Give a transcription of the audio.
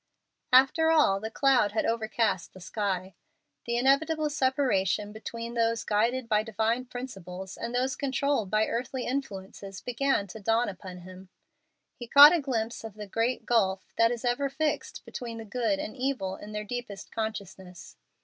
After all, the cloud had overcast the sky. The inevitable separation between those guided by divine principles and those controlled by earthly influences began to dawn upon him. He caught a glimpse of the "great gulf," that is ever "fixed" between the good and evil in their deepest consciousness.